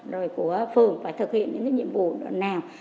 và của phường phải thực hiện những nhiệm vụ nào